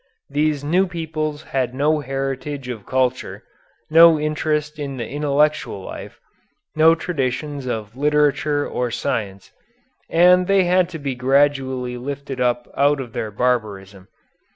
These new peoples had no heritage of culture, no interest in the intellectual life, no traditions of literature or science, and they had to be gradually lifted up out of their barbarism.